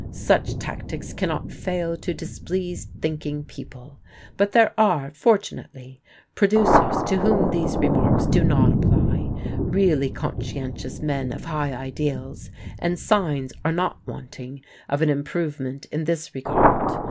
Such tactics cannot fail to displease thinking people, but there are, fortunately, producers to whom these remarks do not apply really conscientious men of high ideals, and signs are not wanting of an improvement in this regard.